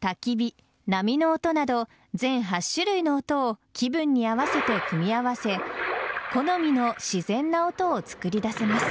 たき火、波の音など全８種類の音を気分に合わせて組み合わせ好みの自然な音を作り出せます。